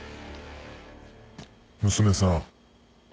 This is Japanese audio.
娘さん